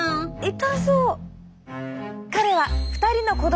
痛そう。